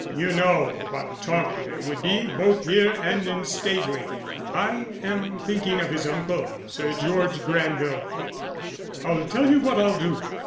You know what talk there would be both here and in Staveley. I am thinking of his uncle, Sir George Granville. I'll tell you what I'll do.